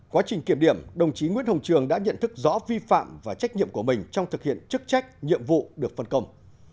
quá trình kiểm điểm đồng chí nguyễn hồng trường đã nhận thức rõ vi phạm và trách nhiệm của mình trong thực hiện chức trách nhiệm vụ được phân công